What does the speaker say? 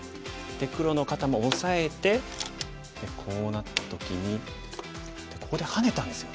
黒の方もオサえてこうなった時にここでハネたんですよ。